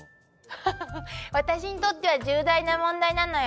ハハハハ私にとっては重大な問題なのよ。